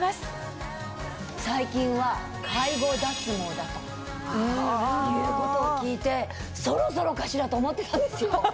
だということを聞いてそろそろかしらと思ってたんですよ。